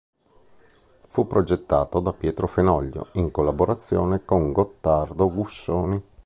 Fu progettato da Pietro Fenoglio, in collaborazione con Gottardo Gussoni.